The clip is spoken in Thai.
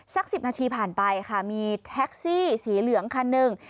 สัก๑๐นาทีผ่านไปค่ะมีแท็กซี่สีเหลืองคันหนึ่ง